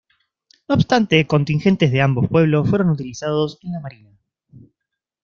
No obstante, contingentes de ambos pueblos fueron utilizados en la marina.